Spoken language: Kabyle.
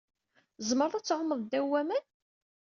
Tzemreḍ ad tɛummeḍ ddaw waman?